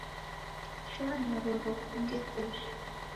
Shoa nyororo kufunge koshi